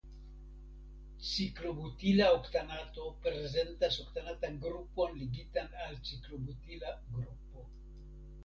Ciklobutila oktanato prezentas oktanatan grupon ligitan al ciklobutila grupo.